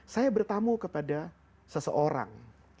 saya bertamu kepada seseorang